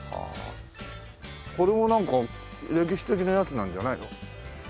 これもなんか歴史的なやつなんじゃないの？